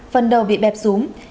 phần đầu bị bẹp rúm